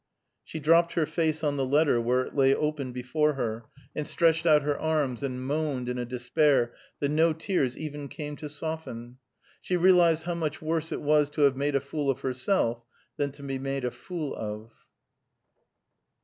She dropped her face on the letter where it lay open before her, and stretched out her arms, and moaned in a despair that no tears even came to soften. She realized how much worse it was to have made a fool of herself than to be made a fool of.